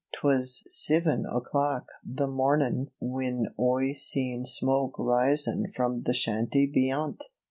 "'Twas siven o'clock the mornin' whin Oi seen smoke risin' from the shanty beyant.